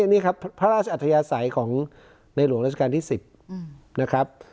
นี่ครับพระราชอัธยาศัยของในหลวงราชการที่๑๐นะครับ